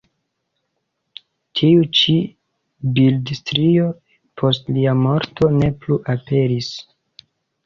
Tiu ĉi bildstrio post lia morto ne plu aperis.